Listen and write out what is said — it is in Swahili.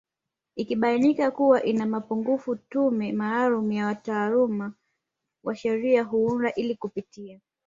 Ikibainika kuwa ina mapungufu tume maalumu ya wataalamu wa sheria huundwa ili kupitia